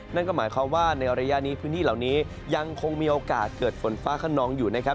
นั่นก็หมายความว่าในระยะนี้พื้นที่เหล่านี้ยังคงมีโอกาสเกิดฝนฟ้าขนองอยู่นะครับ